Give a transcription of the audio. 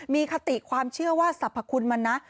มีคติความเชื่อว่าสรรพคุณมันนะ